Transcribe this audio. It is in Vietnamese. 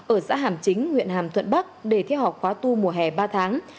ở xã hàm chính huyện hàm thuận bắc để theo học khóa tu mùa hè ba tháng